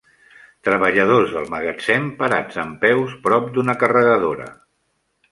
Treballadors del magatzem parats dempeus prop d'una carregadora.